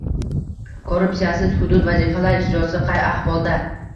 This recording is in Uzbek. “Korrupsiyasiz hudud”: vazifalar ijrosi qay ahvolda?ng